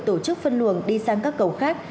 tổ chức phân luồng đi sang các cầu khác